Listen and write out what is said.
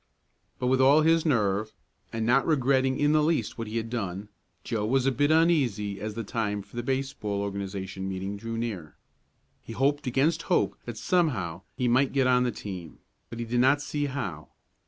But with all his nerve, and not regretting in the least what he had done, Joe was a bit uneasy as the time for the baseball organization meeting drew near. He hoped against hope that somehow he might get on the team, but he did not see how.